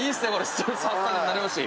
ストレス発散になりますし。